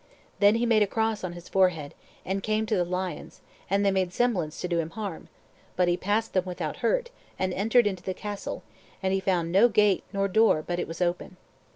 Then he made a cross on his forehead, and came to the lions; and they made semblance to do him harm, but he passed them without hurt, and entered into the castle, and he found no gate nor door but it was open.